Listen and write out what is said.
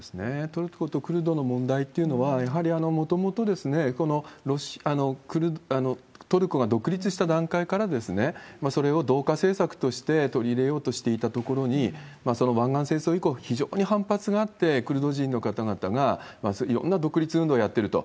トルコとクルドの問題というのは、やはりもともと、トルコが独立した段階から、それを同化政策として取り入れようとしていたところに、その湾岸戦争以降、非常に反発があって、クルド人の方々がいろんな独立運動をやっていると。